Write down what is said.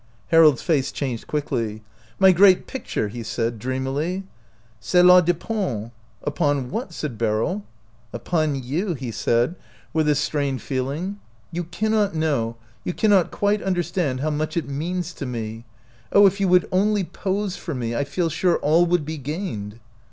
Harold's face changed quickly. " My great picture ?" he said, dreamily. " Cela depend— "" Upon what ?" said Beryl. " Upon you," he said, with a strained feel 73 OUT OF BOHEMIA ing. " You cannot know, you cannot quite understand how much it means to me. Oh, if you would only pose for me, I feel sure all would be gained!"